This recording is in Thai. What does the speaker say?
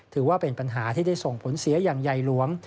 ถือว่าเป็นปัญหาที่ได้ส่งผลเสียอย่างใหญ่หลวง